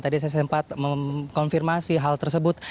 tadi saya sempat mengkonfirmasi hal tersebut